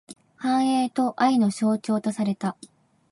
繁栄と愛の象徴とされた。